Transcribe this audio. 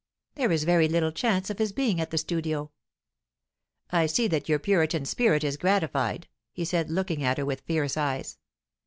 There is very little chance of his being at the studio." "I see that your Puritan spirit is gratified," he said, looking at her with fierce eyes.